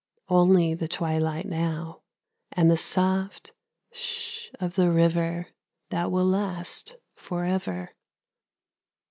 Only the twilight now, and the soft "Sh!" of the river That will last for ever.